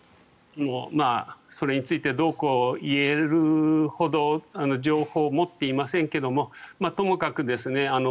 それについてどうこう言えるほど情報を持っていませんけどもともかくですね